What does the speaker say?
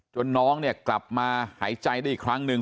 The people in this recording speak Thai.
น้องเนี่ยกลับมาหายใจได้อีกครั้งหนึ่ง